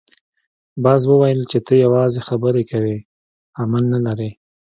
باز وویل چې ته یوازې خبرې کوې عمل نه لرې.